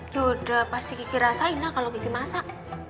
yaudah pasti kiki rasain lah kalau kiki masak